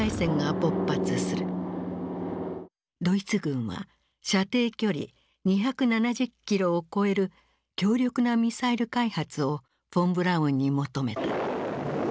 ドイツ軍は射程距離２７０ｋｍを超える強力なミサイル開発をフォン・ブラウンに求めた。